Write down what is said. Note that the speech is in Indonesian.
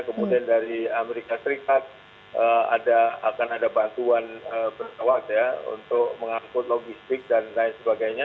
kemudian dari amerika serikat akan ada bantuan berkawas untuk mengangkut logistik dan lainnya